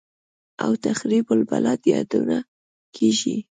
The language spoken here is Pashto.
او «تخریب البلاد» یادونه کېږي